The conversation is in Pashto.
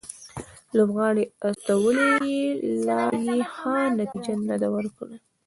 لوبغاړي استولي چې لا یې ښه نتیجه نه ده ورکړې